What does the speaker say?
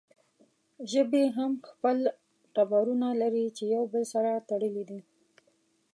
ژبې هم خپل ټبرونه لري چې يو بل سره تړلې وي